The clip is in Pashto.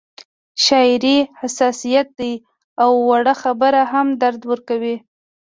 شاعري حساسیت دی او وړه خبره هم درد ورکوي